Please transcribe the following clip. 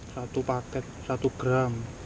satu paket satu gram